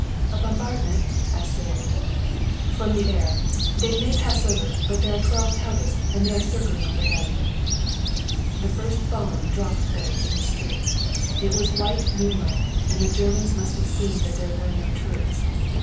"A bombardment?" asked Sara Lee. "From the air. They may pass over, but there are twelve taubes, and they are circling overhead." The first bomb dropped then in the street. It was white moonlight and the Germans must have seen that there were no troops.